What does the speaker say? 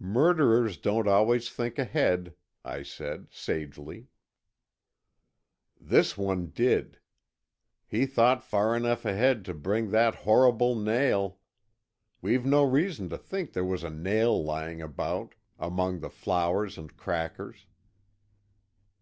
"Murderers don't always think ahead," I said, sagely. "This one did. He thought far enough ahead to bring that horrible nail. We've no reason to think there was a nail lying about among the flowers and crackers."